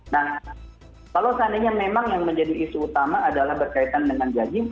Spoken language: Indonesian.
nah kalau seandainya memang yang menjadi isu utama adalah berkaitan dengan gaji